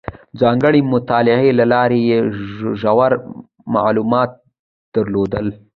ځانګړې مطالعې له لارې یې ژور معلومات درلودل.